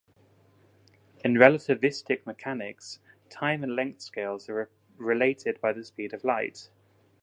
In relativistic mechanics time and length scales are related by the speed of light.